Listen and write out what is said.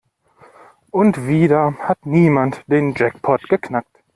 Und wieder hat niemand den Jackpot geknackt.